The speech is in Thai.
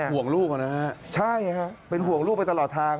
ห่วงลูกอ่ะนะฮะใช่ฮะเป็นห่วงลูกไปตลอดทาง